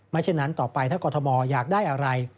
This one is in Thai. เช่นนั้นต่อไปถ้ากรทมอยากได้อะไร